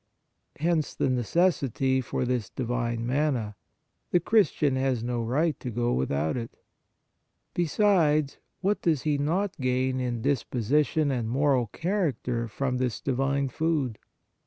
Hence the necessity for this Divine manna ; the Christian has no right to go without it. Besides, what does he not gain in disposition and moral character from this Divine food